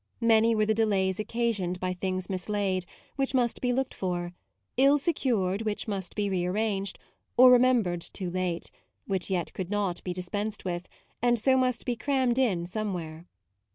Many were the delays occasioned by things mislaid, which must be looked for; ill secured, which must be re arranged; or remembered too late, which yet could not be dispensed with, and so must be crammed in somewhere.